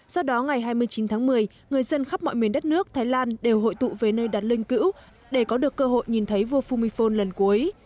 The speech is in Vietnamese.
do đó ngày hai mươi chín tháng một mươi người dân khắp mọi miền đất nước thái lan đều hội tụ về nơi đặt linh cữu để có được cơ hội nhìn thấy vua lần cuối